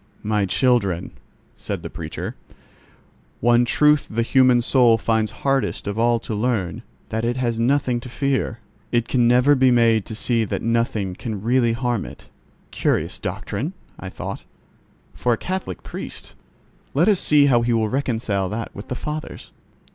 "My children," said the preacher, "one truth the human soul finds hardest of all to learn: that it has nothing to fear. It can never be made to see that nothing can really harm it." "Curious doctrine!" I thought, "for a Catholic priest. Let us see how he will reconcile that with the Fathers."